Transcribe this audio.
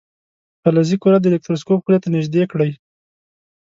فلزي کره د الکتروسکوپ خولې ته نژدې کړئ.